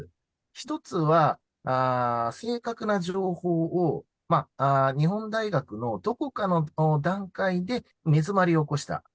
１つは正確な情報を、日本大学のどこかの段階で目詰まりを起こした。